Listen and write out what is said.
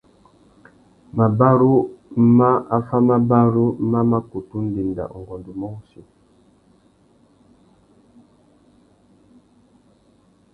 Mabarú mà affámabarú má mà kutu ndénda ungôndômô wussi.